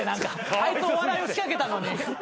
あいつお笑いを仕掛けたのに。